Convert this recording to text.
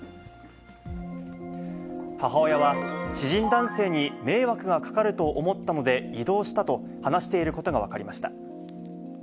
母親は、知人男性に迷惑がかかると思ったので移動したと話していることが分かりました。